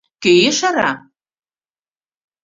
Кӧ ешара?